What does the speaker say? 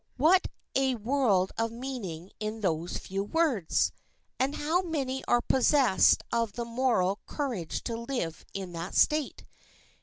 What a world of meaning in those few words! And how many are possessed of the moral courage to live in that state?